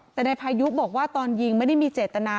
แต่นายพายุบอกว่าตอนยิงไม่ได้มีเจตนา